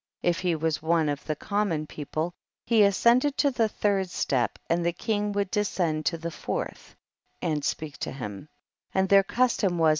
45. If he was one of the common people, he ascended to the third step, and the king would descend to the fourth* and speak to him, and their custom was.